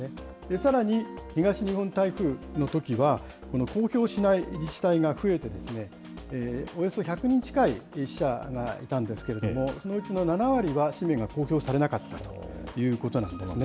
さらに、東日本台風のときは、この公表しない自治体が増えて、およそ１００人近い死者がいたんですけれども、そのうちの７割は氏名が公表されなかったということなんですね。